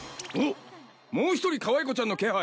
もう１人カワイ子ちゃんの気配！